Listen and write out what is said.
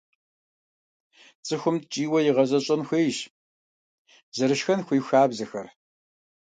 ЦӀыхум ткӀийуэ игъэзэщӀэн хуейщ зэрышхэн хуей хабзэхэр.